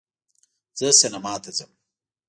زه سینما ته ځم